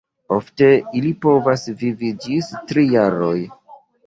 Ofte ili povas vivi ĝis tri jaroj.